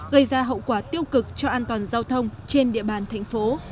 gây ra hậu quả tiêu cực cho an toàn giao thông trên địa bàn thành phố